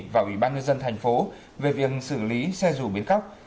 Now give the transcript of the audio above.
và ủy ban nhân dân tp về việc xử lý xe dù biến cóc